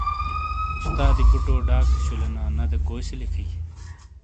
استادی بوٹو ڈاکے شولینا نہ دے کوٸی سے لکھٸی ۔۔